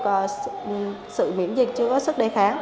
chưa có được sự miễn dịch chưa có sức đề kháng